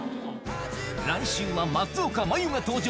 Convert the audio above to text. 来週は松岡茉優が登場。